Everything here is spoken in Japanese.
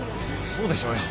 そうでしょうよ。